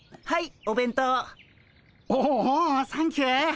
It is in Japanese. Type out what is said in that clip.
おおおサンキュー。